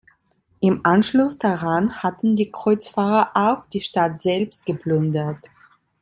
Im Anschluss daran hatten die Kreuzfahrer auch die Stadt selbst geplündert.